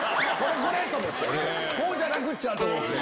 こうじゃなくっちゃと思って。